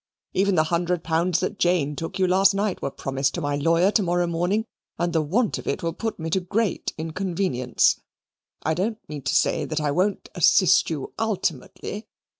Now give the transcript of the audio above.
Even the hundred pounds that Jane took you last night were promised to my lawyer to morrow morning, and the want of it will put me to great inconvenience. I don't mean to say that I won't assist you ultimately.